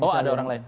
oh ada orang lain